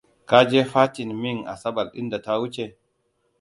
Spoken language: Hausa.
Ka je fatin Ming Asabar ɗin da ta wuce?